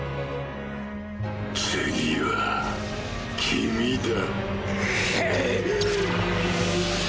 次は君だ。